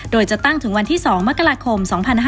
โดยจะตั้งถึงวันที่๒มกราคม๒๕๕๙